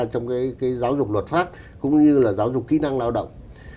trong giáo dục luật pháp cũng như là giáo dục kỹ năng lao động